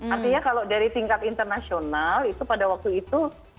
artinya kalau dari tingkat internasional itu pada waktu itu